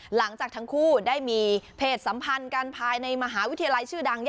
หลังจากทั้งคู่ได้มีเพจสัมพันธ์กันภายในมหาวิทยาลัยชื่อดัง